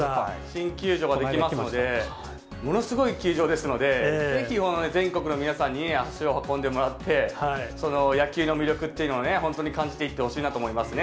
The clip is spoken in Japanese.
新球場が出来ますので、ものすごい球場ですので、ぜひ全国の皆さんに足を運んでもらって、野球の魅力っていうのをね、本当に感じていってほしいなと思いますね。